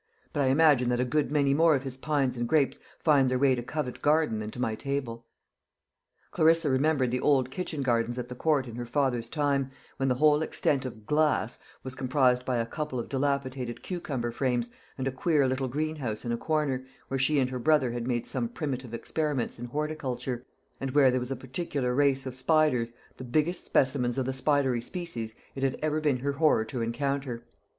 But I imagine that a good many more of his pines and grapes find their way to Covent Garden than to my table." Clarissa remembered the old kitchen gardens at the Court in her father's time, when the whole extent of "glass" was comprised by a couple of dilapidated cucumber frames, and a queer little greenhouse in a corner, where she and her brother had made some primitive experiments in horticulture, and where there was a particular race of spiders, the biggest specimens of the spidery species it had ever been her horror to encounter.